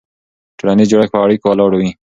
ټولنیز جوړښت پر اړیکو ولاړ وي.